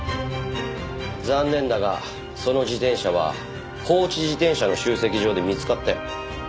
残念だがその自転車は放置自転車の集積所で見つかったよ。